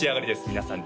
皆さん